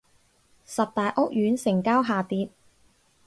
十大屋苑成交下跌